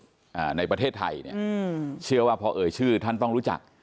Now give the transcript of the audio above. อ่าในประเทศไทยเนี้ยอืมเชื่อว่าพอเอ่ยชื่อท่านต้องรู้จัก